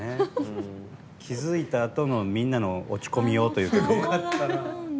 気付いたあとのみんなの落ち込みようというか。